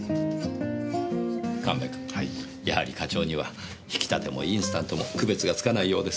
神戸君やはり課長には挽きたてもインスタントも区別がつかないようですねぇ。